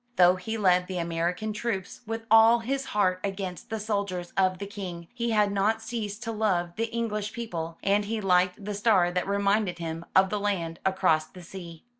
Though he led the American troops with all his heart against the soldiers of the King, he had not ceased to love the English people, and he liked the star that reminded him of the land across the sea.